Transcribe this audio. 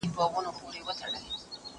چا چي کړي پر مظلوم باندي ظلمونه